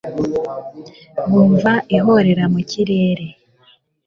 bumva ihorera mu kirere